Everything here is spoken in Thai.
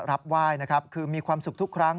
รับไหว้นะครับคือมีความสุขทุกครั้ง